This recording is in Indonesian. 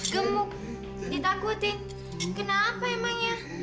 gemuk ditakutin kenapa emangnya